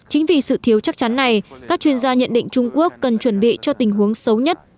chính vì sự thiếu chắc chắn này các chuyên gia nhận định trung quốc cần chuẩn bị cho tình huống xấu nhất